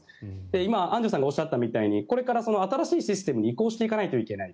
今、アンジュさんがおっしゃったみたいにこれから新しいシステムに移行していかないといけない。